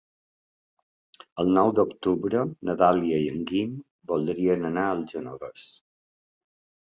El nou d'octubre na Dàlia i en Guim voldrien anar al Genovés.